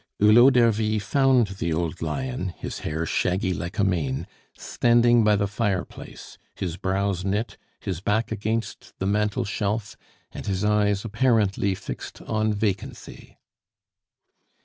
Hulot d'Ervy found the old lion, his hair shaggy like a mane, standing by the fireplace, his brows knit, his back against the mantel shelf, and his eyes apparently fixed on vacancy.